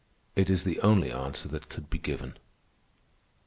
"It is the only answer that could be given.